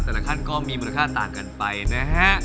แต่ละขั้นก็มีมูลค่าต่างกันไปนะฮะ